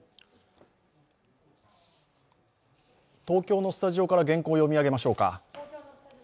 東京のスタジオから原稿を読み上げましょうか。